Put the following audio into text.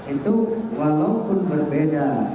itu walaupun berbeda